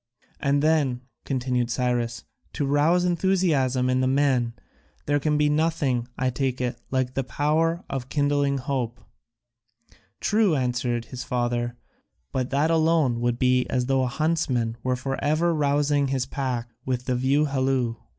"And then," continued Cyrus, "to rouse enthusiasm in the men, there can be nothing, I take it, like the power of kindling hope?" "True," answered his father, "but that alone would be as though a huntsman were for ever rousing his pack with the view halloo.